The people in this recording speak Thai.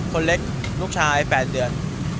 คนเล็กลูกชาย๘เดือน